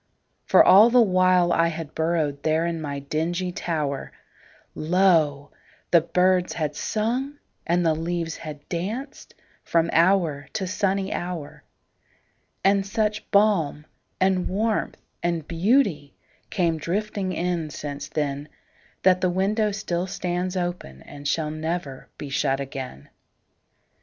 For all the while I had burrowedThere in my dingy tower, Lo! the birds had sung and the leaves had dancedFrom hour to sunny hour. And such balm and warmth and beautyCame drifting in since then, That the window still stands openAnd shall never be shut again.